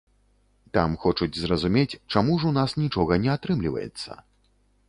Там хочуць зразумець, чаму ж у нас нічога не атрымліваецца?